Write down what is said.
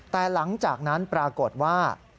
แต่หลังจากนั้นปรากฏว่า